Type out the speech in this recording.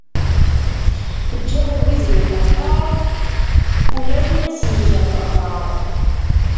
Ǧǧiɣ lwiz yemmenṭar, ula win as-yegan leqrar.